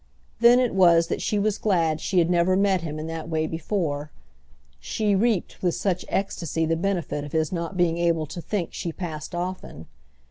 Then it was that she was glad she had never met him in that way before: she reaped with such ecstasy the benefit of his not being able to think she passed often.